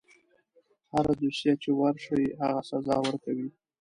هره دوسیه چې ورشي هغه سزا ورکوي.